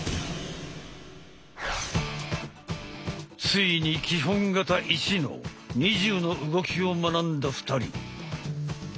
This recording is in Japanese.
ついに「基本形１」の２０の動きを学んだ２人。